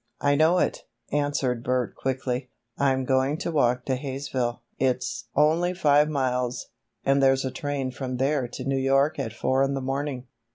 "I know it," answered Bert quickly. "I'm going to walk to Haysville. It's only five miles, and there's a train from there to New York at four in the morning."